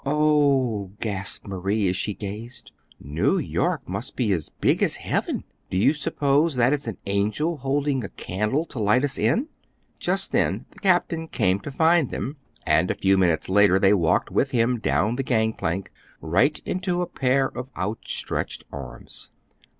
"Oh," gasped Marie, as she gazed, "New York must be as big as heaven. Do you suppose that is an angel holding a candle to light us in?" Just then the captain came to find them, and a few minutes later they walked with him down the gangplank, right into a pair of outstretched arms.